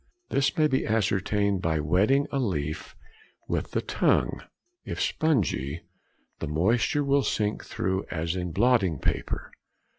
This may be ascertained by wetting a leaf with the tongue: if spongy, the moisture will sink through as in blotting paper.